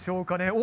お！